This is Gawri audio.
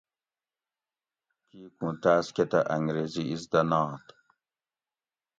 کیکوں تاۤس کۤہ تہ انگریزی اِزدہ نات